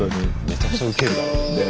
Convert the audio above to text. めちゃくちゃウケるだろうね。